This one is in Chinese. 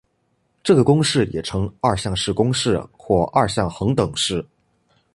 这个公式也称二项式公式或二项恒等式。